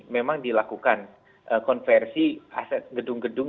memang dilakukan konversi aset gedung gedung